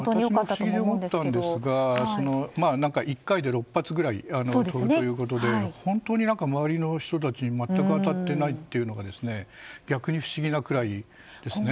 不思議に思ったんですが１回で６発ぐらい飛ぶということで周りの人たちに全く当たっていないというのが逆に不思議なくらいですね。